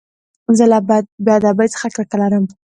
زه له بېادبۍ څخه کرکه لرم.